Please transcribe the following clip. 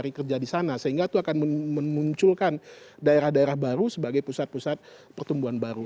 mencari kerja di sana sehingga itu akan memunculkan daerah daerah baru sebagai pusat pusat pertumbuhan baru